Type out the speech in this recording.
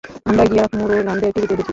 আমরা গিয়ে মুরুগানদের টিভিতে দেখি?